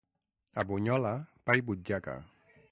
A Bunyola, pa i butxaca.